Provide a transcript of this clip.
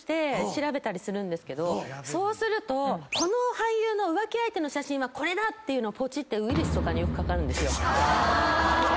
そうするとこの俳優の浮気相手の写真はこれだ！っていうのをポチってウイルスとかによくかかるんですよ。